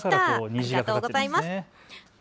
ありがとうございます。